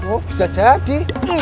oh bisa jadi